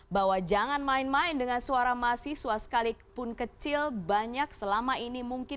bahwa jangan main main dengan suara mahasiswa sekalipun kecil banyak selama ini mungkin